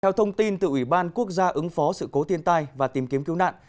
theo thông tin từ ủy ban quốc gia ứng phó sự cố thiên tai và tìm kiếm cứu nạn